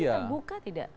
selama ini terbuka tidak